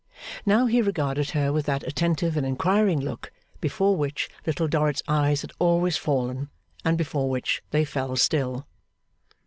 Now he regarded her with that attentive and inquiring look before which Little Dorrit's eyes had always fallen, and before which they fell still.